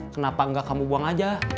kenapa gak kamu buang aja